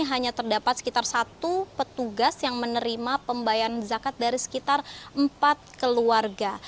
hanya terdapat sekitar satu petugas yang menerima pembayaran zakat dari sekitar empat keluarga